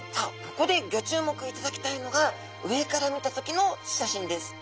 ここでギョ注目いただきたいのが上から見た時の写真です。